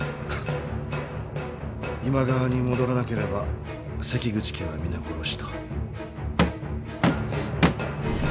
今川に戻らなければ関口家は皆殺しと。